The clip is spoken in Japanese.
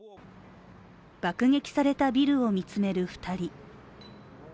爆撃されたビルを見つめる２人。